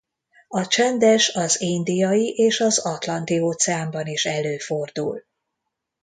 A Csendes- az Indiai- és az Atlanti-óceánban is előfordul.